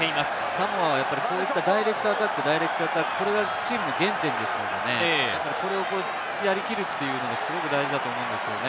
サモアはダイレクトアタック、これがチームの原点ですので、これをやり切るというのがすごく大事だと思うんですよね。